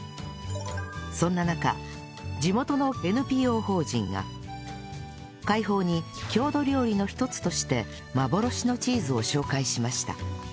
そんな中地元の ＮＰＯ 法人が会報に郷土料理の一つとして幻のチーズを紹介しました